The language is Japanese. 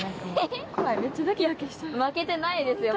負けてないですよ